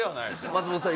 松本さん